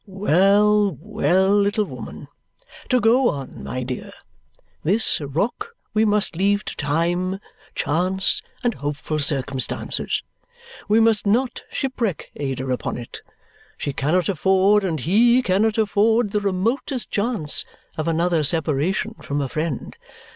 "Well, well, little woman! To go on, my dear. This rock we must leave to time, chance, and hopeful circumstance. We must not shipwreck Ada upon it. She cannot afford, and he cannot afford, the remotest chance of another separation from a friend.